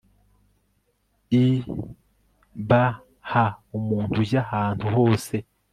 ibh umuntu ujya ahantu hose